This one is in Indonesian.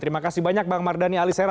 terima kasih banyak bang mardhani alisera